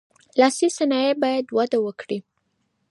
لاسي صنایع باید وده وکړي.